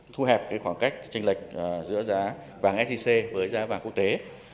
thu hẹp cái khoảng cách tranh lệch giữa giá vàng sgc với giá vàng quốc tế